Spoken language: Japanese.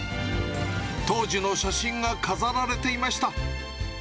当時の写真が飾られていました。